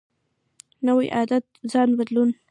نوی عادت ځان بدلوي